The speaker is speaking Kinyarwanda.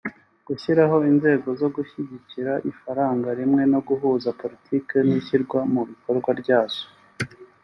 gushyiraho inzego zo gushyigikira ifaranga rimwe no guhuza politiki n’ishyirwa mu bikorwa ryazo